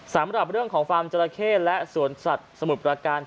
สำหรับเรื่องของฟาร์มจราเข้และสวนสัตว์สมุทรประการ